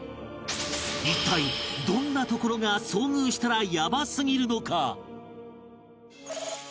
一体どんなところが遭遇したらヤバすぎるのか？